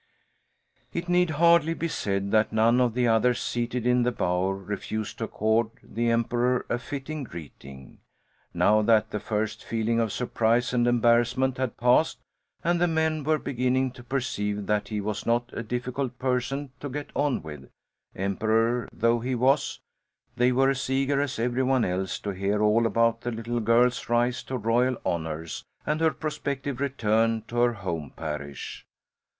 It need hardly be said that none of the others seated in the bower refused to accord the Emperor a fitting greeting. Now that the first feeling of surprise and embarrassment had passed and the men were beginning to perceive that he was not a difficult person to get on with, emperor though he was, they were as eager as was every one else to hear all about the little girl's rise to royal honours and her prospective return to her home parish.